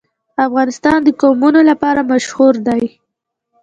افغانستان د قومونه لپاره مشهور دی.